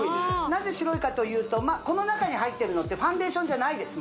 なぜ白いかというとこの中に入ってるのってファンデーションじゃないです